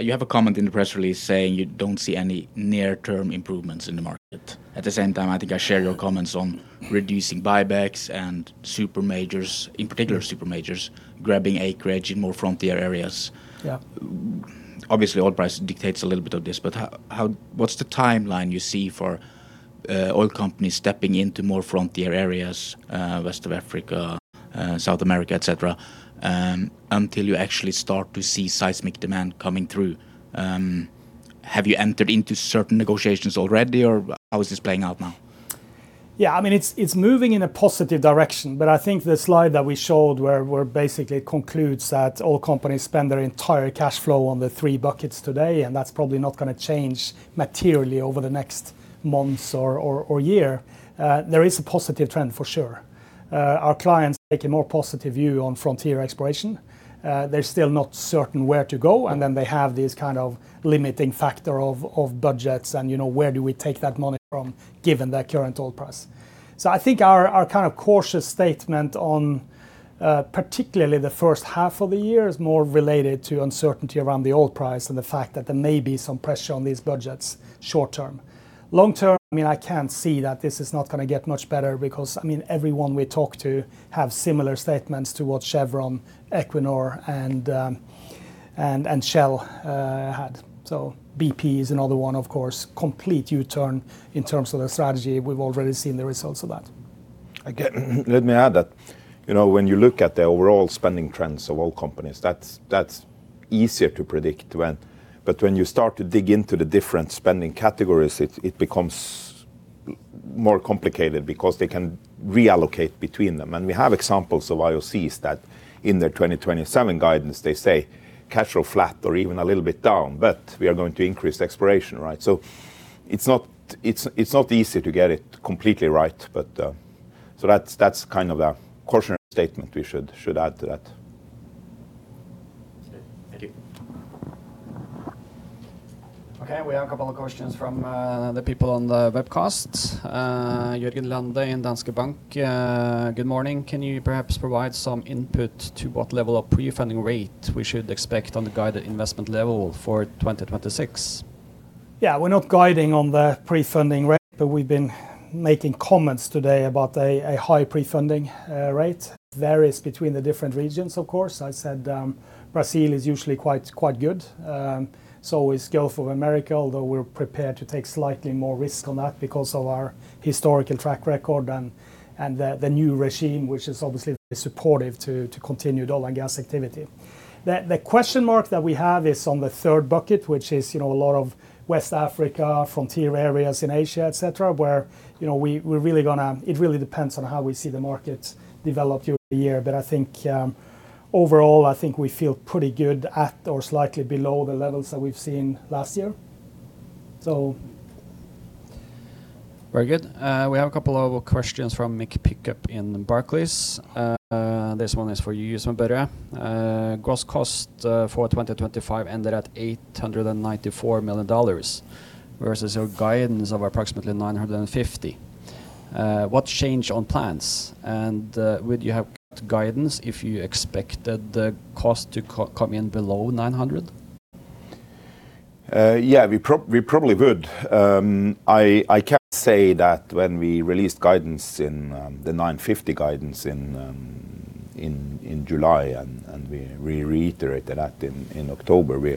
You have a comment in the press release saying you don't see any near-term improvements in the market. At the same time, I think I share your comments on reducing buybacks and supermajors, in particular, supermajors, grabbing acreage in more frontier areas. Yeah. Obviously, oil price dictates a little bit of this, but how what's the timeline you see for oil companies stepping into more frontier areas, West Africa, South America, et cetera, until you actually start to see seismic demand coming through? Have you entered into certain negotiations already, or how is this playing out now? Yeah, I mean, it's moving in a positive direction, but I think the slide that we showed where basically concludes that all companies spend their entire cash flow on the three buckets today, and that's probably not gonna change materially over the next months or year. There is a positive trend, for sure. Our clients take a more positive view on frontier exploration. They're still not certain where to go, and then they have this kind of limiting factor of budgets and, you know, where do we take that money from, given the current oil price? So I think our kind of cautious statement on particularly the first half of the year is more related to uncertainty around the oil price and the fact that there may be some pressure on these budgets short term. Long term, I mean, I can't see that this is not gonna get much better because, I mean, everyone we talk to have similar statements to what Chevron, Equinor, and Shell had. So BP is another one, of course, complete U-turn in terms of their strategy. We've already seen the results of that. Again, let me add that, you know, when you look at the overall spending trends of oil companies, that's easier to predict when— But when you start to dig into the different spending categories, it becomes more complicated because they can reallocate between them. And we have examples of IOCs that, in their 2027 guidance, they say, "Cash flow flat or even a little bit down, but we are going to increase exploration," right? So it's not easy to get it completely right, but... So that's kind of a cautionary statement we should add to that. Okay. Thank you. Okay, we have a couple of questions from the people on the webcast. Jørgen Lande in Danske Bank, "Good morning. Can you perhaps provide some input to what level of pre-funding rate we should expect on the guided investment level for 2026? Yeah, we're not guiding on the pre-funding rate, but we've been making comments today about a high pre-funding rate. Varies between the different regions, of course. I said, Brazil is usually quite, quite good. So is Gulf of Mexico, although we're prepared to take slightly more risk on that because of our historical track record and the new regime, which is obviously very supportive to continued oil and gas activity. The question mark that we have is on the third bucket, which is, you know, a lot of West Africa, frontier areas in Asia, et cetera, where, you know, it really depends on how we see the markets develop during the year. But I think, overall, I think we feel pretty good at or slightly below the levels that we've seen last year, so... Very good. We have a couple of questions from Mick Pickup in Barclays. This one is for you, Sven Børre Larsen. Gross cost for 2025 ended at $894 million, versus your guidance of approximately $950. What change on plans? And, would you have guidance if you expected the cost to come in below $900? Yeah, we probably would. I can say that when we released the $950 guidance in July, and we reiterated that in October, we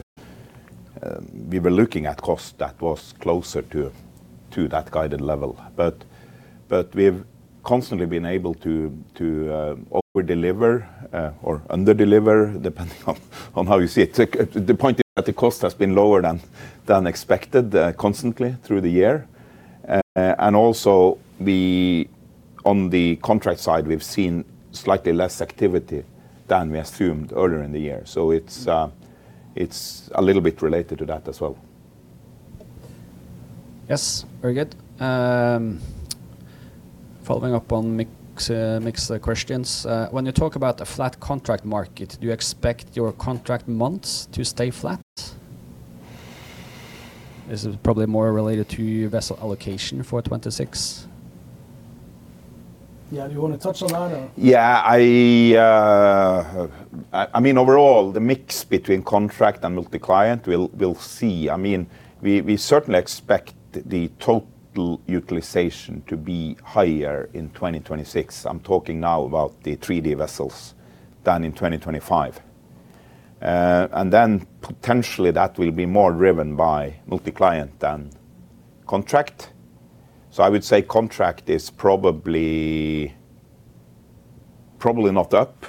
were looking at cost that was closer to that guided level. But we've constantly been able to overdeliver or underdeliver, depending on how you see it. The point is that the cost has been lower than expected constantly through the year. And also on the contract side, we've seen slightly less activity than we assumed earlier in the year. So it's a little bit related to that as well. Yes, very good. Following up on Mick's questions, when you talk about a flat contract market, do you expect your contract months to stay flat? This is probably more related to your vessel allocation for 2026. Yeah. Do you want to touch on that, or? Yeah, I, I mean, overall, the mix between contract and multi-client, we'll, we'll see. I mean, we, we certainly expect the total utilization to be higher in 2026, I'm talking now about the 3D vessels, than in 2025. And then potentially that will be more driven by multi-client than contract. So I would say contract is probably, probably not up,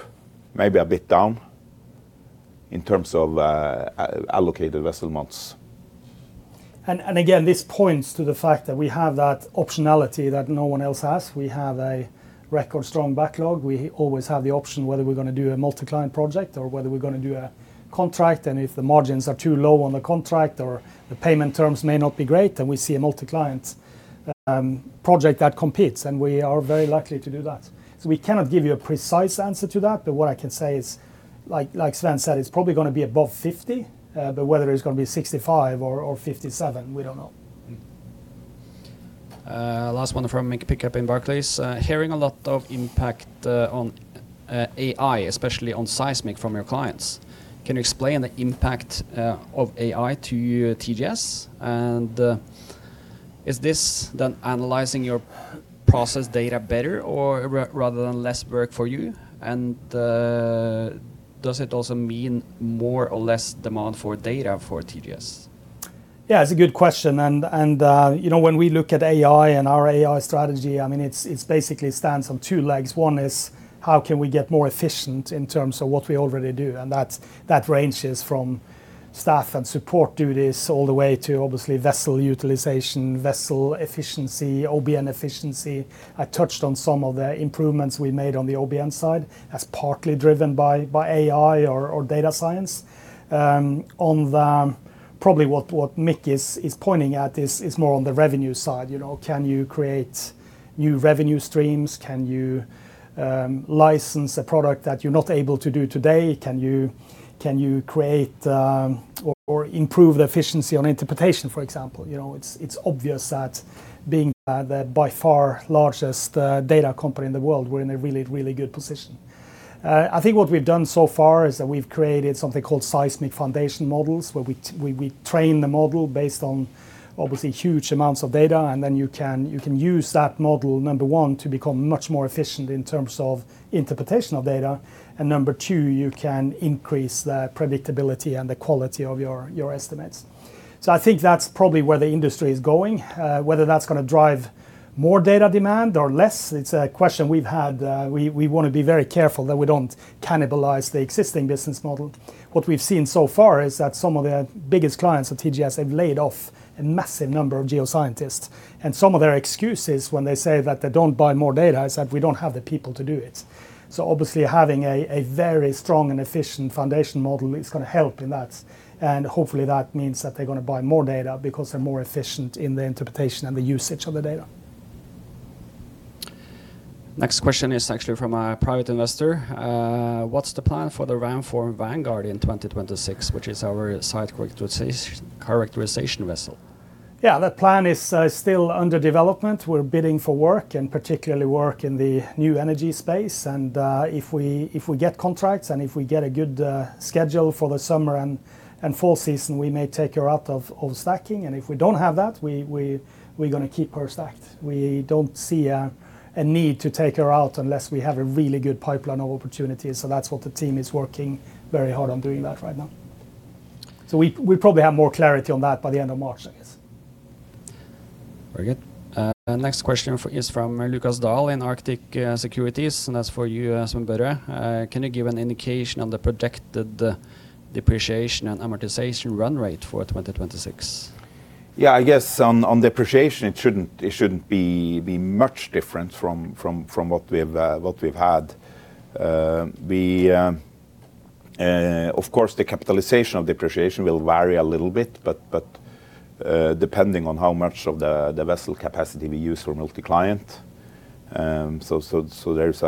maybe a bit down, in terms of allocated vessel months. And again, this points to the fact that we have that optionality that no one else has. We have a record strong backlog. We always have the option whether we're gonna do a multi-client project or whether we're gonna do a contract, and if the margins are too low on the contract or the payment terms may not be great, then we see a multi-client project that competes, and we are very likely to do that. So we cannot give you a precise answer to that, but what I can say is, like Sven said, it's probably gonna be above 50, but whether it's gonna be 65 or 57, we don't know. Last one from Mick Pickup in Barclays. "Hearing a lot of impact on AI, especially on seismic from your clients. Can you explain the impact of AI to TGS? And, is this then analyzing your process data better or rather than less work for you? And, does it also mean more or less demand for data for TGS? Yeah, it's a good question, and you know, when we look at AI and our AI strategy, I mean, it's basically stands on two legs. One is, how can we get more efficient in terms of what we already do? And that ranges from staff and support duties all the way to, obviously, vessel utilization, vessel efficiency, OBN efficiency. I touched on some of the improvements we made on the OBN side, as partly driven by AI or data science. On the probably what Mick is pointing at is more on the revenue side. You know, can you create new revenue streams? Can you license a product that you're not able to do today? Can you create or improve the efficiency on interpretation, for example? You know, it's obvious that being the by far largest data company in the world, we're in a really, really good position. I think what we've done so far is that we've created something called Seismic Foundation Models, where we, we train the model based on, obviously, huge amounts of data, and then you can, you can use that model, number one, to become much more efficient in terms of interpretation of data. And number two, you can increase the predictability and the quality of your, your estimates. So I think that's probably where the industry is going. Whether that's gonna drive more data demand or less, it's a question we've had. We, we wanna be very careful that we don't cannibalize the existing business model. What we've seen so far is that some of the biggest clients at TGS have laid off a massive number of geoscientists, and some of their excuses when they say that they don't buy more data is that, "We don't have the people to do it." So obviously, having a very strong and efficient foundation model is gonna help in that. And hopefully, that means that they're gonna buy more data because they're more efficient in the interpretation and the usage of the data. Next question is actually from a private investor. "What's the plan for the Ramform Vanguard in 2026?" Which is our seismic characterization vessel. Yeah, that plan is still under development. We're bidding for work, and particularly work in the new energy space. And if we get contracts, and if we get a good schedule for the summer and fall season, we may take her out of stacking. And if we don't have that, we're gonna keep her stacked. We don't see a need to take her out unless we have a really good pipeline of opportunities, so that's what the team is working very hard on doing that right now. So we'll probably have more clarity on that by the end of March, I guess. Very good. Next question is from Lukas Daul in Arctic Securities, and that's for you, Sven Børre. "Can you give an indication on the projected depreciation and amortization run rate for 2026? Yeah, I guess on depreciation, it shouldn't be much different from what we've had. Of course, the capitalization of depreciation will vary a little bit, but depending on how much of the vessel capacity we use for multi-client, so there is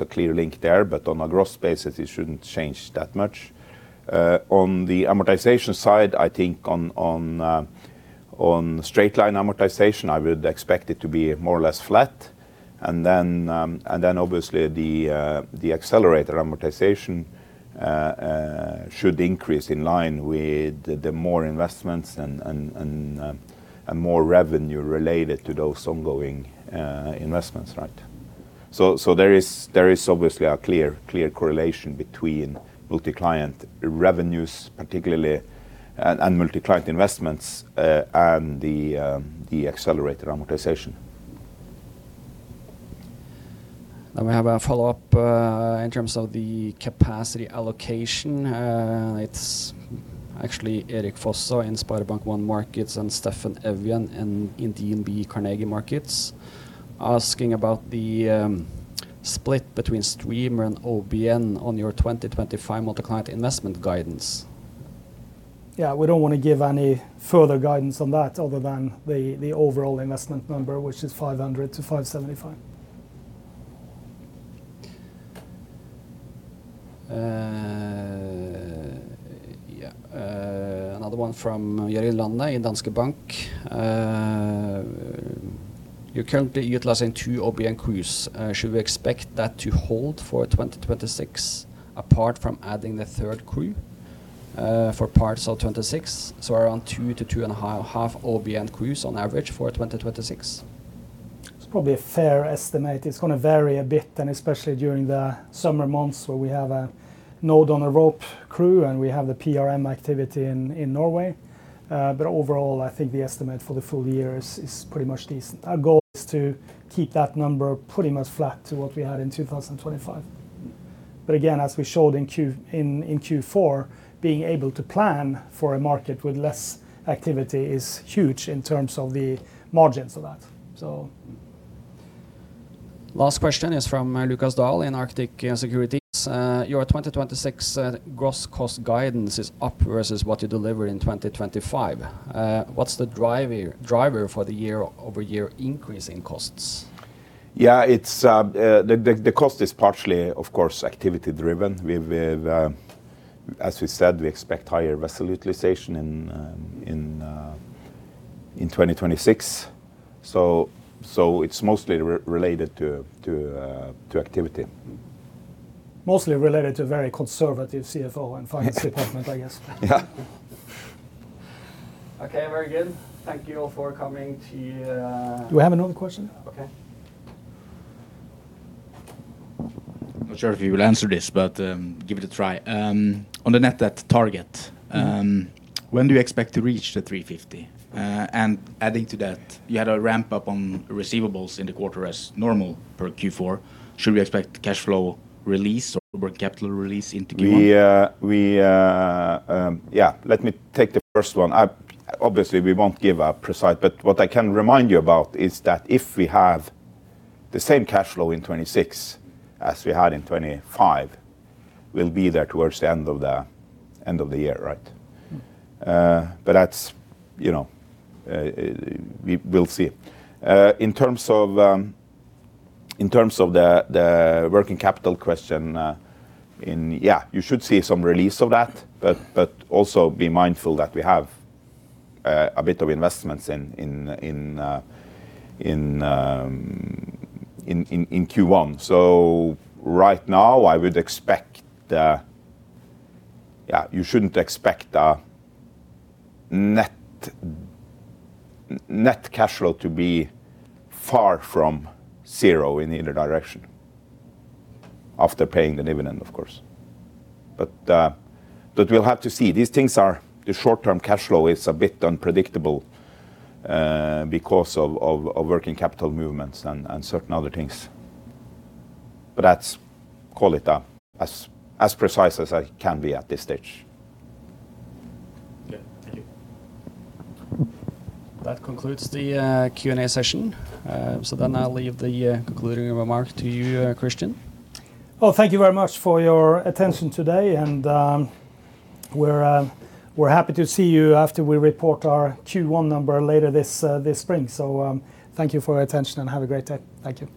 a clear link there, but on a gross basis, it shouldn't change that much. On the amortization side, I think on straight line amortization, I would expect it to be more or less flat. And then obviously, the accelerator amortization should increase in line with the more investments and more revenue related to those ongoing investments, right? So there is obviously a clear correlation between multi-client revenues, particularly, and multi-client investments, and the accelerated amortization. We have a follow-up in terms of the capacity allocation. It's actually Erik Fosså in Carnegie Investment Bank and Steffen Evjen in DNB Markets asking about the split between streamer and OBN on your 2025 multi-client investment guidance. Yeah, we don't wanna give any further guidance on that other than the overall investment number, which is $500 million-$575 million. Yeah, another one from Jørgen Lande in Danske Bank. "You're currently utilizing 2 OBN crews. Should we expect that to hold for 2026, apart from adding the third crew for parts of 2026, so around 2-2.5 OBN crews on average for 2026? It's probably a fair estimate. It's gonna vary a bit, and especially during the summer months, where we have a node-on-a-rope crew, and we have the PRM activity in Norway. But overall, I think the estimate for the full year is pretty much decent. Our goal is to keep that number pretty much flat to what we had in 2025. But again, as we showed in Q4, being able to plan for a market with less activity is huge in terms of the margins of that. So... Last question is from Lukas Daul in Arctic Securities: "your 2026 gross cost guidance is up versus what you delivered in 2025. What's the driver, driver for the year-over-year increase in costs? Yeah, it's the cost is partially, of course, activity-driven. We've as we said, we expect higher vessel utilization in 2026. So it's mostly related to activity. Mostly related to a very conservative CFO and finance department, I guess. Yeah. Okay, very good. Thank you all for coming to. Do we have another question? Okay. Not sure if you will answer this, but, give it a try. On the net debt target, when do you expect to reach the $350? And adding to that, you had a ramp up on receivables in the quarter as normal per Q4. Should we expect cash flow release or working capital release into Q1? Let me take the first one. Obviously, we won't give a precise, but what I can remind you about is that if we have the same cash flow in 2026 as we had in 2025, we'll be there towards the end of the year, right? But that's, you know, we'll see. In terms of the working capital question... Yeah, you should see some release of that, but also be mindful that we have a bit of investments in Q1. So right now, I would expect, yeah, you shouldn't expect a net cash flow to be far from zero in either direction, after paying the dividend, of course. But we'll have to see. These things are the short-term cash flow is a bit unpredictable because of working capital movements and certain other things. But that's call it as precise as I can be at this stage. Okay. Thank you. That concludes the Q&A session. So then I'll leave the concluding remark to you, Kristian. Well, thank you very much for your attention today, and we're happy to see you after we report our Q1 number later this spring. So, thank you for your attention, and have a great day. Thank you.